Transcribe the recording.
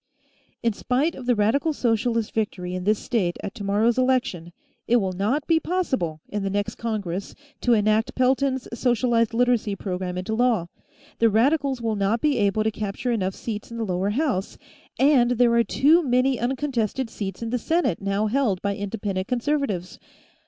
"In spite of the Radical Socialist victory in this state at tomorrow's election, it will not be possible, in the next Congress, to enact Pelton's socialized Literacy program into law. The Radicals will not be able to capture enough seats in the lower house, and there are too many uncontested seats in the Senate now held by Independent Conservatives.